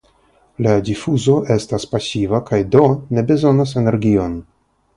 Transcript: La difuzo estas pasiva kaj do ne bezonas energion.